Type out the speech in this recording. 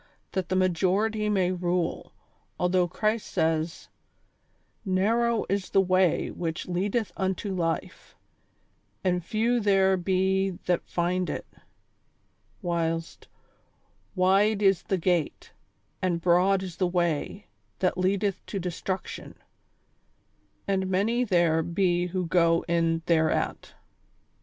That the majority may rule, although Christ says :" Narrow is the way which leadeth unto life, and few there be that find it ;" Avhilst, " Wide is the gate, and broad is the way, that leadeth to destruction, and many there be who go in thereat."